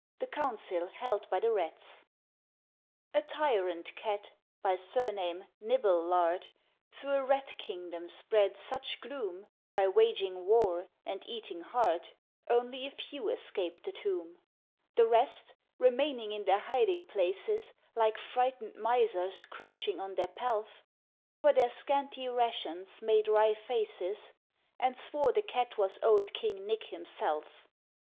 THE COUNCIL HELD BY THE RATS. A Tyrant Cat, by surname Nibblelard, Through a Rat kingdom spread such gloom By waging war and eating hard, Only a few escaped the tomb; The rest, remaining in their hiding places, Like frightened misers crouching on their pelf, Over their scanty rations made wry faces, And swore the Cat was old King Nick himself.